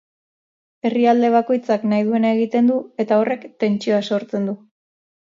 Herrialde bakoitzak nahi duena egiten du, eta horrek tentsioa sortzen du.